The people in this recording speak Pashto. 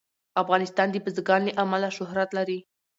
افغانستان د بزګان له امله شهرت لري.